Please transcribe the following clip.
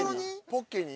ポッケに？